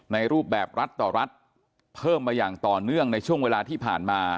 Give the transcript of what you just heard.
รูปแบบรัฐต่อรัฐเพิ่มมาอย่างต่อเนื่องในช่วงเวลาที่ผ่านมา